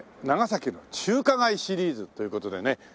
長崎の中華街シリーズという事でね